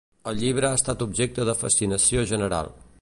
El llibre ha estat objecte de fascinació general.